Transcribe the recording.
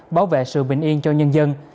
bảo vệ sự bình yên cho nhân dân